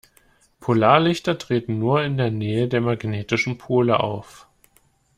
Polarlichter treten nur in der Nähe der magnetischen Pole auf.